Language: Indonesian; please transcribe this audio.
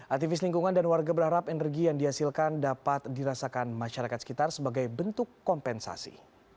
aktivis lingkungan dan warga berharap energi yang dihasilkan dapat dirasakan masyarakat sekitar sebagai bentuk kompensasi